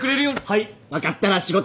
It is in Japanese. はい。